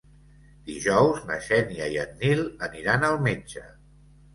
Dijous na Xènia i en Nil aniran al metge.